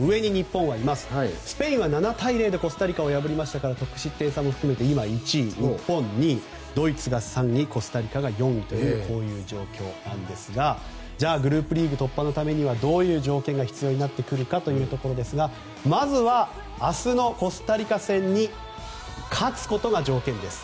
スペインは７点０で勝ちましたから今１位、日本２位、ドイツが３位コスタリカが４位という状況ですがじゃあグループリーグ突破のためにはどういう条件が必要になってくるかということですがまずは明日のコスタリカ戦に勝つことが条件です。